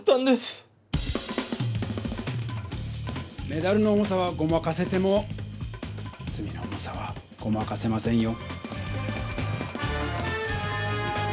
メダルの重さはごまかせてもつみの重さはごまかせませんよ。